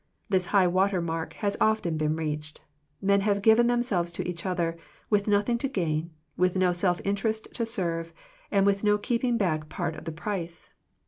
hThis high water mark has often been reached. Men have given themselves to each other, with nothing to gain, with no self interest to serve, and with no keeping back part of the price.